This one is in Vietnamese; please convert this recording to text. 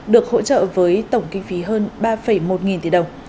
được hỗ trợ với tổng kinh phí hơn ba một nghìn tỷ đồng